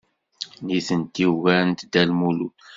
Nitenti ugarent Dda Lmulud.